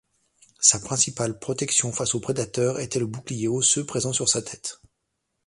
Sa principale protection face aux prédateurs était le bouclier osseux présent sur sa tête.